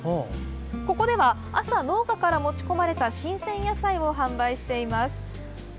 ここでは朝、農家から持ち込まれた新鮮野菜を販売しています。